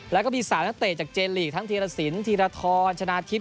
แล้วก็มีสารนักเตะจากเจนลีกทั้งทีระสินทีระท้อนชนะทิพย์